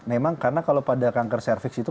memang karena kalau pada kanker cervix itu